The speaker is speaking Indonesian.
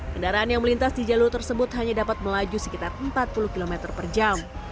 kendaraan yang melintas di jalur tersebut hanya dapat melaju sekitar empat puluh km per jam